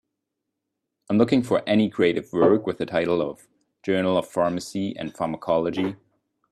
I am looking for any creative work with the title of Journal of Pharmacy and Pharmacology